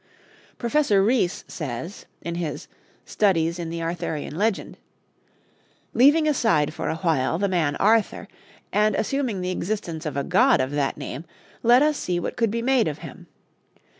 Professor Rhys says, in his 'Studies in the Arthurian Legend': "Leaving aside for a while the man Arthur, and assuming the existence of a god of that name, let us see what could be made of him.